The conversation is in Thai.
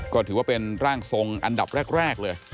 ก็ถือว่าเป็นร่างทรงอันดับแรกเลย